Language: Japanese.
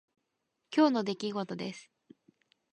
今日の出来事です。